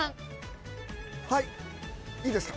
はいいいですか？